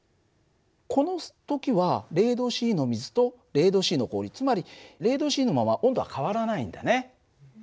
この時は０℃の水と０℃の氷つまり０℃のまま温度は変わらないんだね。